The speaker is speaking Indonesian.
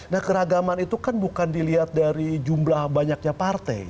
nah keragaman itu kan bukan dilihat dari jumlah banyaknya partai